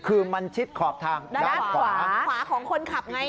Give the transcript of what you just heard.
คือมันชิดขอบทางด้านขวาขวาของคนขับไง